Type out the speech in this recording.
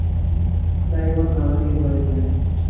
Simon আমাকে ভয় পায়!